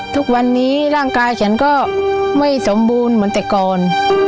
ทุกวันนี้ร่างกายฉันก็ไม่สมบูรณ์เหมือนแต่ก่อน